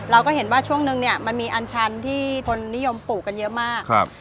เราก็เห็นว่าช่วงนึงเนี่ยมันมีอันชันที่คนนิยมปลูกกันเยอะมาก